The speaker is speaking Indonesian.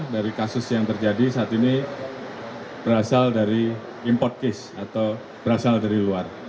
dari kasus yang terjadi saat ini berasal dari import case atau berasal dari luar